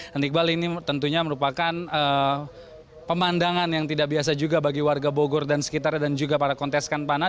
dan iqbal ini tentunya merupakan pemandangan yang tidak biasa juga bagi warga bogor dan sekitar dan juga para konteskan panah